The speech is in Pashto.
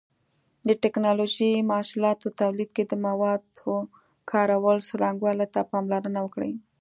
د ټېکنالوجۍ محصولاتو تولید کې د موادو کارولو څرنګوالي ته پاملرنه وکړئ.